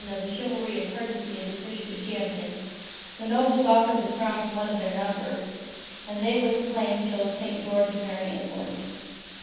GEORGE OF MERRIE ENGLAND 17 the chivalry and courtesy of the Christian Champions, the nobles offered the Crown to one of their number, and they with acclaim chose St. George of Merrie England.